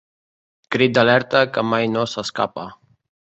Crit d'alerta que mai no s'escapa.